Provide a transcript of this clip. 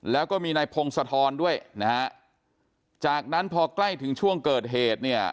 แล้วก็มีนายพงศธรด้วยนะฮะจากนั้นพอใกล้ถึงช่วงเกิดเหตุเนี่ย